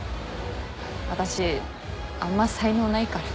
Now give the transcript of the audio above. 私あんま才能ないから。